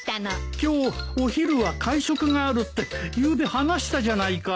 今日お昼は会食があるってゆうべ話したじゃないか。